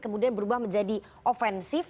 kemudian berubah menjadi ofensif